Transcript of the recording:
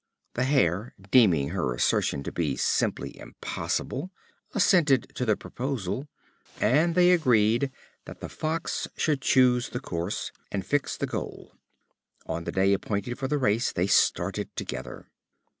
The Hare, deeming her assertion to be simply impossible, assented to the proposal; and they agreed that the Fox should choose the course, and fix the goal. On the day appointed for the race they started together.